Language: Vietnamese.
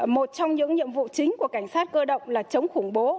một trong những nhiệm vụ chính của cảnh sát cơ động là chống khủng bố